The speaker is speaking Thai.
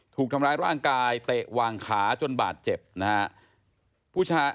ถูกทำร้ายร่างกายเตะวางขาจนบาดเจ็บนะฮะผู้ชาย